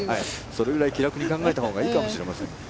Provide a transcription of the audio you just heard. それくらい気楽に考えたほうがいいかもしれません。